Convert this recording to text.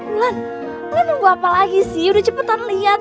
mulan lo nunggu apa lagi sih udah cepetan liat